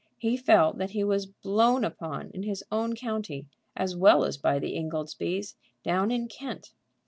He felt that he was "blown upon" in his own county, as well as by the Ingoldsbys down in Kent.